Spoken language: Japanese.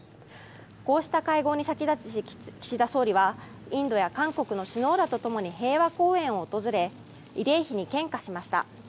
こうした会合に先立ち岸田総理はインドや韓国の首脳らとともに平和公園を訪れ慰霊碑に献花しました。